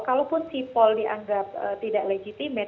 kalaupun sipol dianggap tidak legitimet